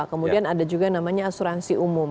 kemudian ada juga namanya asuransi umum